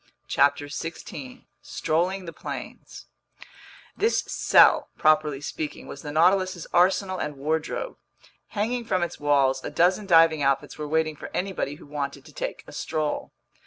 CHAPTER 16 Strolling the Plains THIS CELL, properly speaking, was the Nautilus's arsenal and wardrobe. Hanging from its walls, a dozen diving outfits were waiting for anybody who wanted to take a stroll.